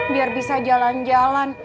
biar bisa jalan jalan